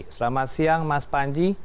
selamat siang mas panji